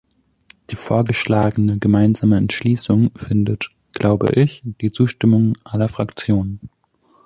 Die vorgeschlagene gemeinsame Entschließung findet, glaube ich, die Zustimmung aller Fraktionen.